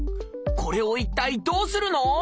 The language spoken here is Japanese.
これを一体どうするの？